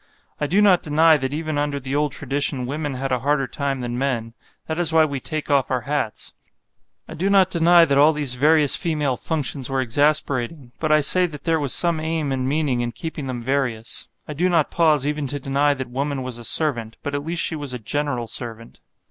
I do not deny that even under the old tradition women had a harder time than men; that is why we take off our hats. I do not deny that all these various female functions were exasperating; but I say that there was some aim and meaning in keeping them various. I do not pause even to deny that woman was a servant; but at least she was a general servant.